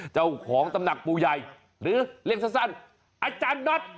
เจ้าของตำหนักปูใหญ่หรือเรียกสั้นอาจารย์น็อต